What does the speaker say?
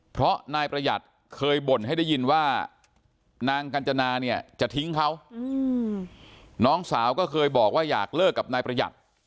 เพราะนายประหยัดเคยบ่นให้ได้ยินว่านางกัญจนาเนี่ยจะทิ้งเขาน้องสาวก็เคยบอกว่าอยากเลิกกับนายประหยัด